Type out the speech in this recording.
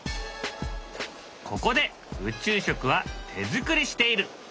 ここで宇宙食は手作りしている。